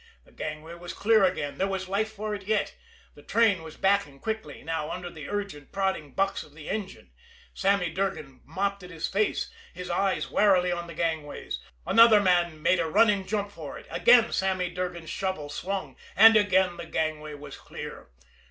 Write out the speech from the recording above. The gangway was clear again. There was life for it yet! The train was backing quickly now under the urgent, prodding bucks of the engine. Sammy Durgan mopped at his face, his eyes warily on the gangways. Another man made a running jump for it again Sammy Durgan's shovel swung and again the gangway was clear.